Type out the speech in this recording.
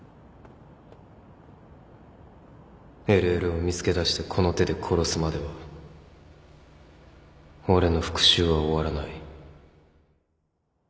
ＬＬ を見つけだしてこの手で殺すまでは俺の復讐は終わらない